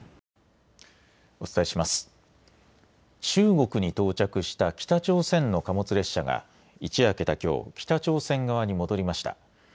中国に到着した北朝鮮の貨物列車が一夜明けたきょう、北朝鮮側に戻りました。